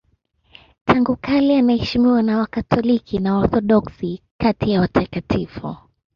Tangu kale anaheshimiwa na Wakatoliki na Waorthodoksi kati ya watakatifu.